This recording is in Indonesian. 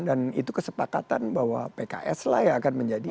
dan itu kesepakatan bahwa pks lah ya akan menjadi